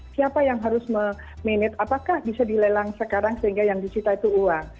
siapa yang harus memanage apakah bisa dilelang sekarang sehingga yang disita itu uang